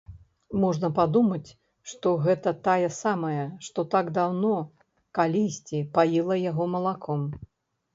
Можна падумаць, што гэта тая самая, што так даўно, калісьці, паіла яго малаком.